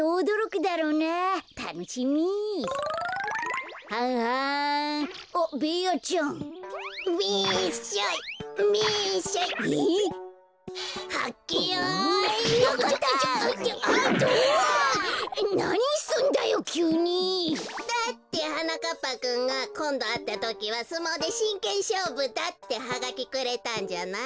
だってはなかっぱくんが「こんどあったときはすもうでしんけんしょうぶだ」ってハガキくれたんじゃない。